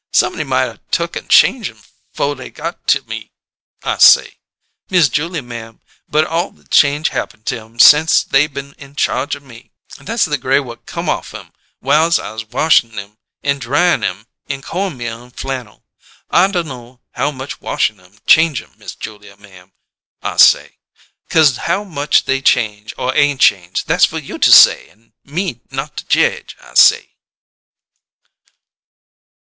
Somebody might 'a' took an' change 'em 'fo' they got to me,' I say, 'Miss Julia, ma'am, but all the change happen to 'em sence they been in charge of me, that's the gray whut come off 'em whiles I washin' 'em an' dryin' 'em in corn meal and flannel. I dunno how much washin' 'em change 'em, Miss Julia, ma'am,' I say, ''cause how much they change or ain't change, that's fer you to say and me not to jedge,' I say."